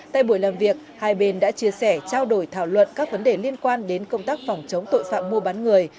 tại buổi làm việc hai bên đã chia sẻ trao đổi thảo luận các vấn đề liên quan đến công tác phòng chống tội phạm mua bán người